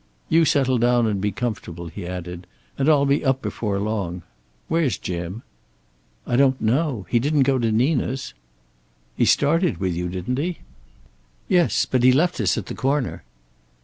"You settle down and be comfortable," he added, "and I'll be up before long. Where's Jim?" "I don't know. He didn't go to Nina's." "He started with you, didn't he?" "Yes. But he left us at the corner."